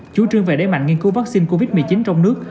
chủ trương về đế mạnh nghiên cứu vaccine covid một mươi chín trong nước